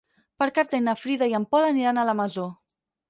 Per Cap d'Any na Frida i en Pol aniran a la Masó.